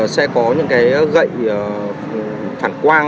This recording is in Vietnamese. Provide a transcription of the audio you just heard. sẽ có những cái gậy phản quang